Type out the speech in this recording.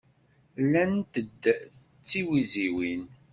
Llant-d d tiwiziwin.